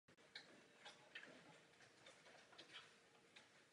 Bez vlastní vůle.